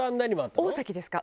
大崎ですか？